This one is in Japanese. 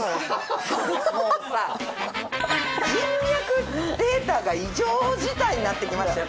人脈データが異常事態になってきましたよ。